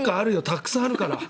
たくさんあるから。